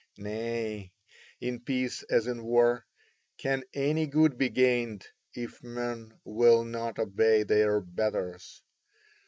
Nay, in peace as in war, can any good be gained if men will not obey their betters?